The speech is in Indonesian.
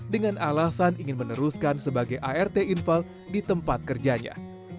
dengan alasan ingin meneruskan sebagai art infal di tempat kerjanya